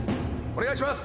お願いします！